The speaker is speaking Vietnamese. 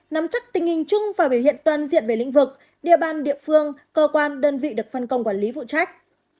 nắm chắc tình hình chung và biểu hiện toàn diện về lĩnh vực địa bàn địa phương cơ quan đơn vị được phân công quản lý phụ trách